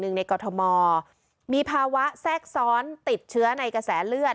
ในกรทมมีภาวะแทรกซ้อนติดเชื้อในกระแสเลือด